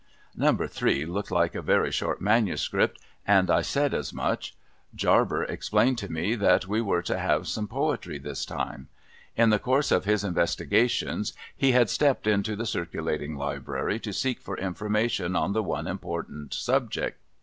Number Three looked like a very short manuscript, and I said as A MANUSCRIPT POEM 195 much. Jaiber explained to me that we were to have some poetry this time. In the course of his investigations he had stepped into the Circulating Library, to seek for information on the one impor tant subject.